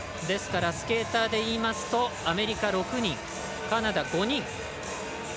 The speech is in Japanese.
スケーターでいいますとアメリカ６人、カナダ５人。